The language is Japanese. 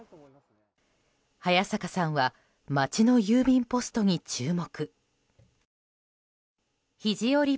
早坂さんは街の郵便ポストに注目。